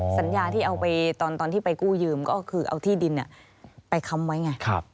สัญญาที่เอาไปตอนที่ไปกู้ยืมก็คือเอาที่ดินไปค้ำไว้ไง